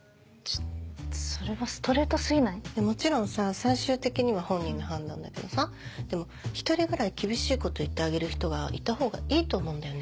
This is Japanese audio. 最終的には本人の判断だけどさでも１人ぐらい厳しいこと言ってあげる人がいたほうがいいと思うんだよね。